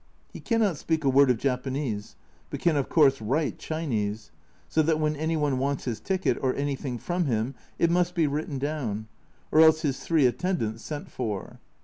He cannot speak a word of Japanese, but can of course write Chinese, so that when any one wants his ticket or anything from him it must be written down, or else his three attendants A Journal from Japan 59 sent for.